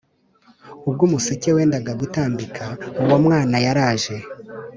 ubwo umuseke wendaga gutambika uwo mwana yaraje